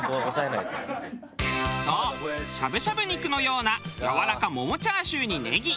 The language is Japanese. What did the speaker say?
そうしゃぶしゃぶ肉のようなやわらかモモチャーシューにネギ。